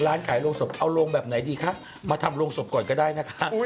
ร้านขายโรงศพเอาโรงแบบไหนดีคะมาทำโรงศพก่อนก็ได้นะคะ